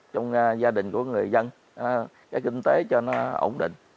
trong gia đình của người dân cái kinh tế cho nó ổn định